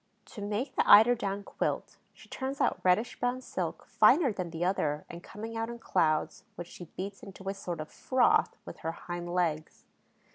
To make the eider down quilt, she turns out reddish brown silk, finer than the other and coming out in clouds which she beats into a sort of froth with her hind legs.